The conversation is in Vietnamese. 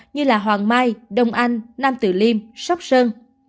như hoàng mai đông anh nam tử liêm sóc sơn